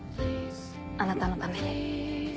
あなたのために。